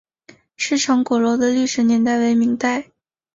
赤城鼓楼的历史年代为明代。